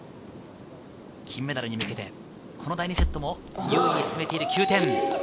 金メダルに向けて、この第２セットも有利に進めている、９点。